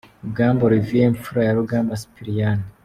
Rugamba Olivier imfura ya Rugamba Sipiriyani .